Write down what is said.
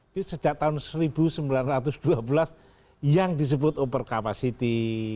itu sejak tahun seribu sembilan ratus dua belas yang disebut over capacity